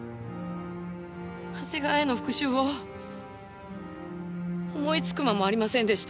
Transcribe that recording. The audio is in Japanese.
長谷川への復讐を思いつく間もありませんでした。